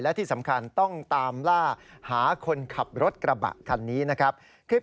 และที่สำคัญต้องตามล่าหาคนขับรถกระบะคันนี้นะครับ